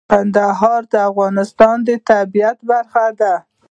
کندهار د افغانستان د طبیعت برخه ده.